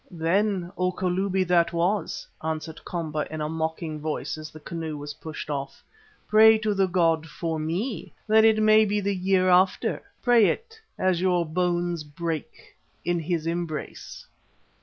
"Then, O Kalubi that was," answered Komba in a mocking voice as the canoe was pushed off, "pray to the god for me, that it may be the year after; pray it as your bones break in his embrace."